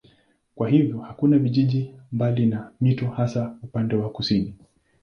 Kwa hiyo hakuna vijiji mbali na mito hasa upande wa kusini.